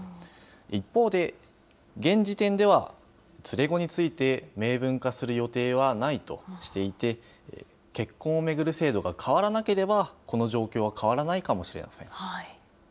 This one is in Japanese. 一方で現時点では、連れ子について明文化する予定はないとしていて、結婚を巡る制度が変わらなければ、この状況は変わらないかもしれません。